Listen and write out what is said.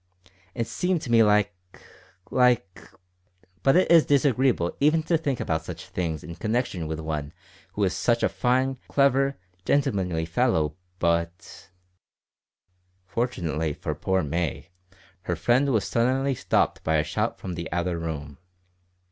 It seemed to me like like but it is disagreeable even to think about such things in connection with one who is such a fine, clever, gentlemanly fellow but " Fortunately for poor May, her friend was suddenly stopped by a shout from the outer room.